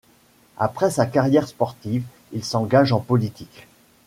Après sa carrière sportive, il s'engage en politique.